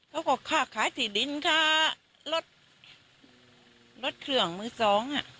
เขาก็ฆ่าขายที่ดินค่ะรถเครื่องมือสอง